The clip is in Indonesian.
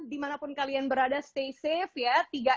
dimanapun kalian berada stay safe ya